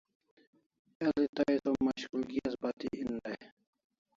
El'i tai som mashkulgi as bati en dai